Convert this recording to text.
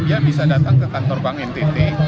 dia bisa datang ke kantor bank ntt